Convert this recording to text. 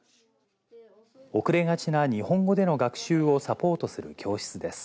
遅れがちな日本語での学習をサポートする教室です。